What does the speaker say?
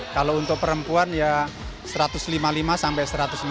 kalau untuk perempuan ya satu ratus lima puluh lima sampai satu ratus enam puluh